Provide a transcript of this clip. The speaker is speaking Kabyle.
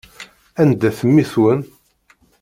Anda-t mmi-twen?